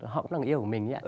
họ cũng là người yêu của mình